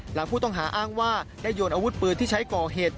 หลังผู้ต้องหาอ้างว่าได้โยนอาวุธปืนที่ใช้ก่อเหตุ